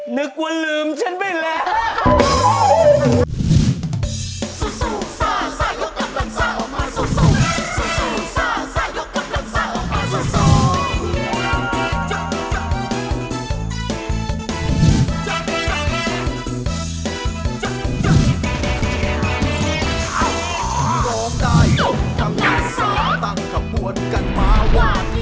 นึกว่าลืมฉันไปแล้ว